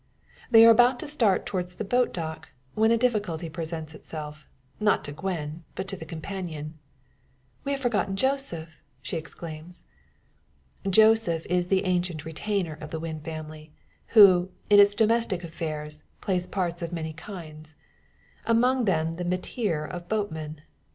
They are about starting towards the boat dock, when a difficulty presents itself not to Gwen, but the companion. "We have forgotten Joseph!" she exclaims. Joseph is an ancient retainer of the Wynn family, who, in its domestic affairs, plays parts of many kinds among them the metier of boatman.